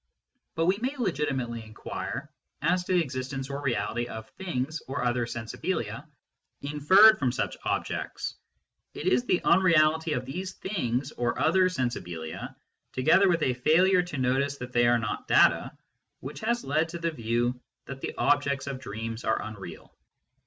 But we may legitimately inquire as to the existence or reality of " things " or other " sensibilia " inferred from such objects. It is the un reality of these " things " and other " sensibilia," together with a failure to notice that they are not data, which has led to the view that the objects of dreams are unreal.